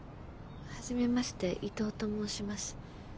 初めまして伊藤と申します。